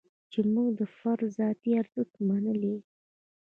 چې موږ د فرد ذاتي ارزښت منلی.